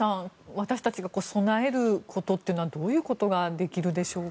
私たちが備えることというのはどういうことができるでしょうか。